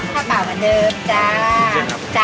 ข้าวเปล่ากันเดิมจ้า